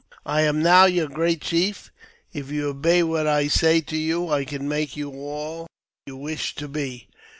" I am now your great chief. If you obey what I say toi you, I can make you all you wish to be.